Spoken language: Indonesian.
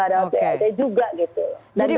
tidak ada bsd juga gitu